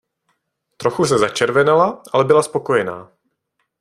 Trochu se začervenala, ale byla spokojená.